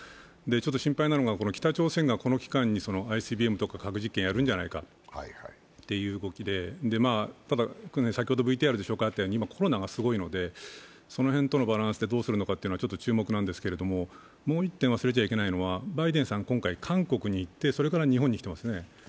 ちょっと心配なのが北朝鮮がこの期間にＩＣＢＭとか核実験をやるんじゃないかということで、ただ、今、コロナがすごいのでその辺とのバランスでどうするのかというのは注目なんですけれどももう１点忘れちゃいけないのはバイデンさん、韓国に行って日本に来てますね。